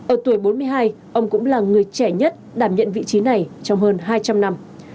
ở tuổi bốn mươi hai ông cũng là người trẻ nhất đảm nhận vị trí này trong hơn hai trăm linh năm